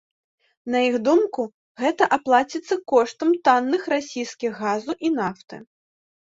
На іх думку, гэта аплаціцца коштам танных расійскіх газу і нафты.